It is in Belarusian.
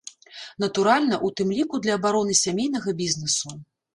Натуральна, у тым ліку для абароны сямейнага бізнесу.